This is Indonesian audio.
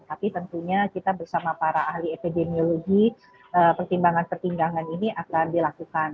tapi tentunya kita bersama para ahli epidemiologi pertimbangan pertimbangan ini akan dilakukan